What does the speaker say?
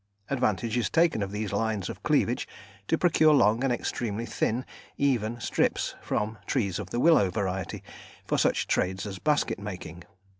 Advantage is taken of these lines of cleavage to procure long and extremely thin even strips from trees of the willow variety for such trades as basket making.